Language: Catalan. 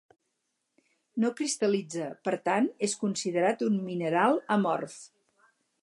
No cristal·litza, per tant es considera un mineral amorf.